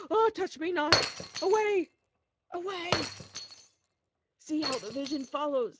Ah, touch me not! Away! away! See how the vision follows.